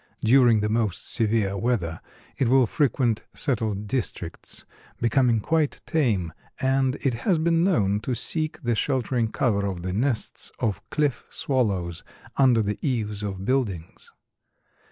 During the most severe weather it will frequent settled districts, becoming quite tame, and it has been known to seek the sheltering cover of the nests of cliff swallows under the eaves of buildings.